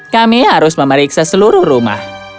kami harus memeriksa seluruh rumah